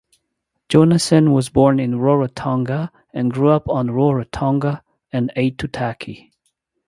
Jonassen was born in Rarotonga and grew up on Rarotonga and Aitutaki.